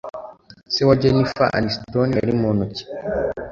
Se wa Jennifer Aniston yari muntu ki?